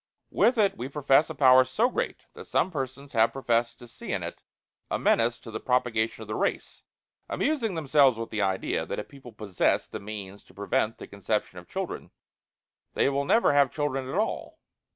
With it we possess a power so great that some persons have professed to see in it a menace to the propagation of the race, amusing themselves with the idea that if people possess the means to prevent the conception of children they will never have children at all.